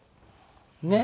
ねっ？